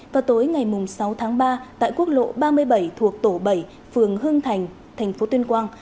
vào tối ngày sáu tháng ba tại quốc lộ ba mươi bảy thuộc tổ bảy phường hưng thành thành phố tuyên quang